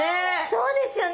そうですよね！